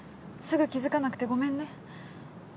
すぐ気付かなくてごめんね。